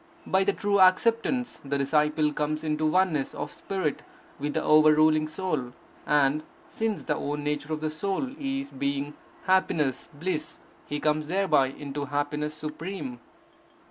By the true acceptance, the disciple comes into oneness of spirit with the overruling Soul; and, since the own nature of the Soul is being, happiness, bliss, he comes thereby into happiness supreme.